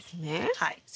はい。